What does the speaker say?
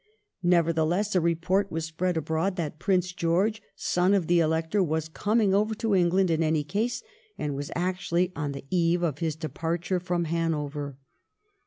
Nevertheless, a report was spread abroad that Prince George, son of the Elector, was coming over to England in any case, and was actually on the eve of his departure from Hanover.